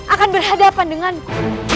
akan berhadapan denganku